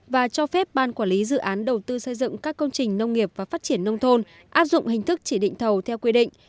và cho phép ban quản lý dự án đầu tư xây dựng các công trình nông nghiệp và phát triển nông thôn áp dụng hình thức chỉ định thầu theo quy định